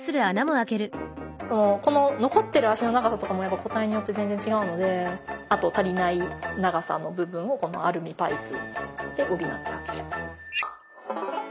この残ってる脚の長さとかもやっぱ個体によって全然違うのであと足りない長さの部分をこのアルミパイプで補ってあげる。